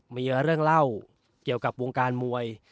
มีเรื่องเล่าเกี่ยวกับวงการมวย